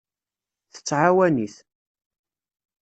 Tettɛawan-it.